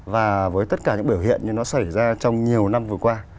và với tất cả những biểu hiện như nó xảy ra trong nhiều năm vừa qua